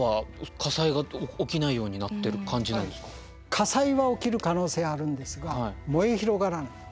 火災は起きる可能性あるんですが燃え広がらない。